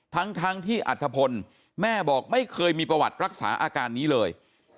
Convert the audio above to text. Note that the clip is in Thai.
ทั้งที่อัธพลแม่บอกไม่เคยมีประวัติรักษาอาการนี้เลย